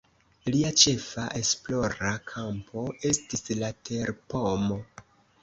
Lia ĉefa esplora kampo estis la terpomo.